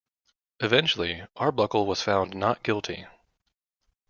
Eventually Arbuckle was found not guilty.